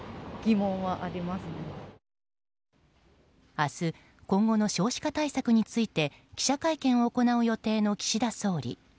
明日今後の少子化対策について記者会見を行う予定の岸田総理。